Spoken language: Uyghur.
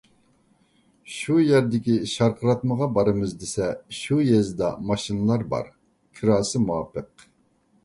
شۇ يەردىكى شارقىراتمىغا بارىمىز دېسە، شۇ يېزىدا ماشىنىلار بار، كىراسى مۇۋاپىق.